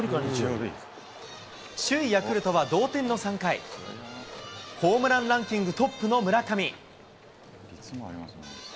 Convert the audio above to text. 首位ヤクルトは同点の３回、ホームランランキングトップの村上。